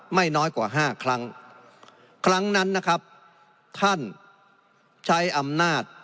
ไม่น้อยกว่าห้าครั้งครั้งนั้นนะครับท่านใช้อำนาจ